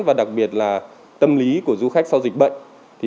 và đặc biệt là tâm lý của du khách sau dịch bệnh